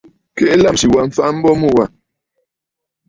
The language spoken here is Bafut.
Keʼe lâmsì wa mfa a mbo mu wâ.